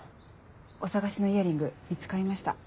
お捜しのイヤリング見つかりました。